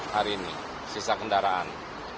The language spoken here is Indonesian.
hari ini sisa kendaraan